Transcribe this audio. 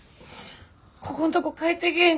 ここんとこ帰ってけぇ